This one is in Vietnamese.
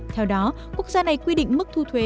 theo đó quốc gia này quy định mức thu thuế